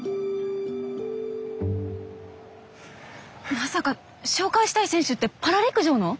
まさか紹介したい選手ってパラ陸上の？